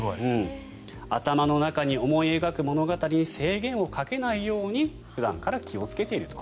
頭の中に思い描く物語に制限をかけないように普段から気をつけていると。